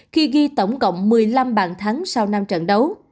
khi ghi tổng cộng một mươi năm bàn thắng sau năm trận đấu